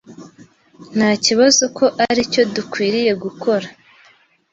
Ntakibazo ko aricyo dukwiye gukora.